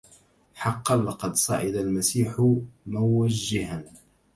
حقا لقد صعد المسيح موجها